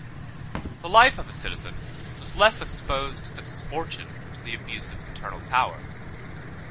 The life of a citizen was less exposed than his fortune to the abuse of paternal power.